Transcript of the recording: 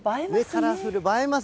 カラフル、映えます。